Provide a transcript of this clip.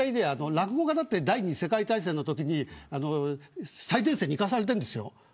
落語家だって第２次世界大戦のときに最前線に行かされたんですよ。